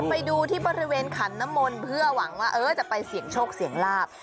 ไปดูที่บริเวณขันน้ำมนต์เพื่อหวังว่าจะไปเสี่ยงโชคเสี่ยงลาบ